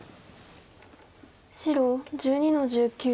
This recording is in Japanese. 白１２の十九。